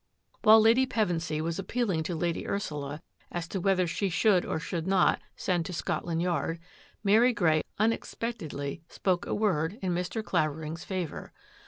While Lady Pevensy was appealing to Lady Ursula as to whether she should or should not send to Scotland Yard, Mary Grey unexpectedly spoke a word in Mr. Clavering^s favour.